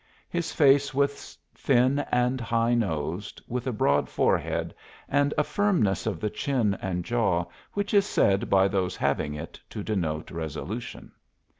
His face was thin and high nosed, with a broad forehead and a "firmness" of the chin and jaw which is said by those having it to denote resolution.